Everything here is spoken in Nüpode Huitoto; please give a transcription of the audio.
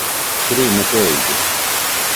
Gereina feide